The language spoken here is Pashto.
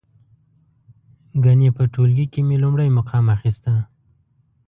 ګنې په ټولګي کې مې لومړی مقام اخسته.